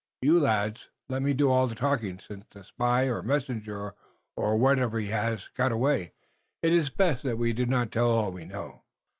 You lads, let me do all of the talking. Since the spy or messenger or whatever he iss hass got away, it iss best that we do not tell all we know."